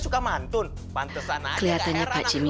saya harus bebas dari ancamannya pak jimmy